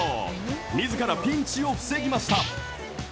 自らピンチを防ぎました。